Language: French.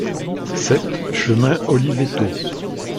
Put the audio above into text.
sept chemin Olivetto